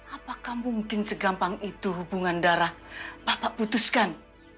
apakah mungkin segampang itu hubungan darah bapak putuskan